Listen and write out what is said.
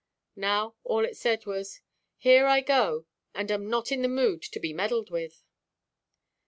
Now all it said was, "Here I go, and am not in a mood to be meddled with."